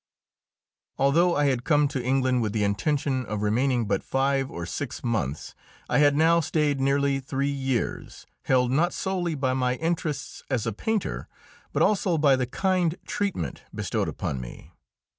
Although I had come to England with the intention of remaining but five or six months, I had now stayed nearly three years, held, not solely by my interests as a painter, but also by the kind treatment bestowed upon me.